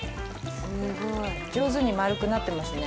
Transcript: すごい上手に丸くなってますね。